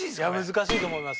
難しいと思います。